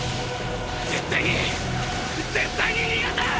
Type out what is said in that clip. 絶対に絶対に逃がさん！